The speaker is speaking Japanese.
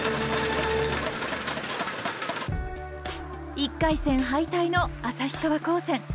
１回戦敗退の旭川高専。